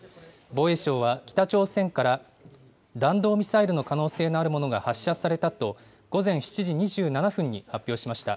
防衛省は北朝鮮から弾道ミサイルの可能性のあるものが発射されたと、午前７時２７分に発表しました。